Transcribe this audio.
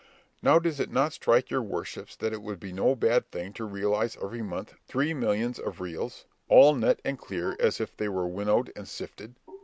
Now does it not strike your worships that it would be no bad thing to realise every month three millions of reals, all net and clear as if they were winnowed and sifted?